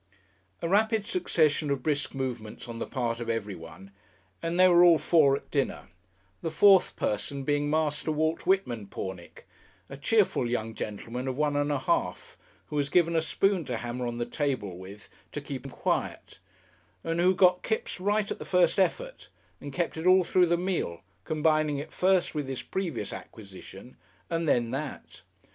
A rapid succession of brisk movements on the part of everyone, and they were all four at dinner the fourth person being Master Walt Whitman Pornick, a cheerful young gentleman of one and a half, who was given a spoon to hammer on the table with to keep him quiet, and who got "Kipps" right at the first effort and kept it all through the meal, combining it first with this previous acquisition, and then that.